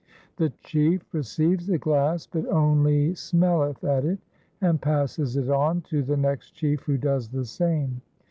The chief receives the glass but only smelleth at it and passes it on to the next chief who does the same.